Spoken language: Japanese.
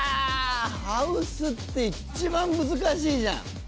ハウスって一番難しいじゃん。